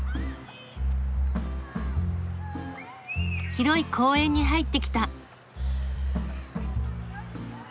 広い公園に入ってきた。